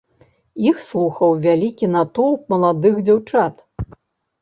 Іх слухаў вялікі натоўп маладых дзяўчат.